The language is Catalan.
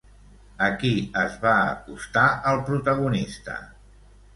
A qui es va acostar el protagonista?